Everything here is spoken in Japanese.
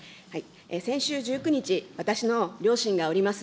先週１９日、私の両親がおります